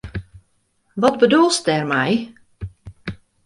Wat bedoelst dêrmei?